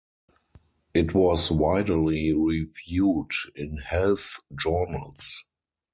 It was widely reviewed in health journals.